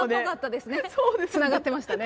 つながってましたね。